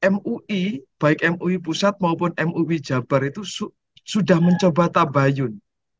mui baik mui pusat maupun mui jabar itu sudah mencoba tabayun